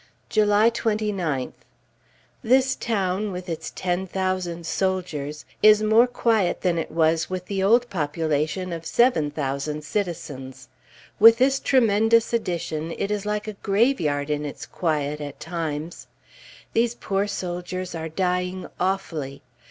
July 29th. This town, with its ten thousand soldiers, is more quiet than it was with the old population of seven thousand citizens. With this tremendous addition, it is like a graveyard in its quiet, at times. These poor soldiers are dying awfully.